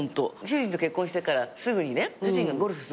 主人と結婚してからすぐにね主人がゴルフ